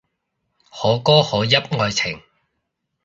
可歌可泣愛情